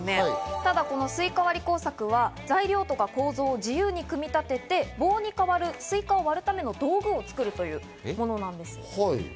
ただ、このスイカ割り工作は材料や構造を自由に組み立ててスイカを割る道具を作るというものなんです。